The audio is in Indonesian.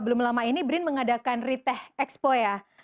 belum lama ini brin mengadakan riteh expo ya